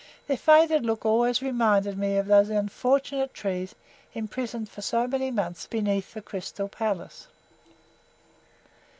Their faded look always reminded me of those unfortunate trees imprisoned for so many months beneath the Crystal Palace.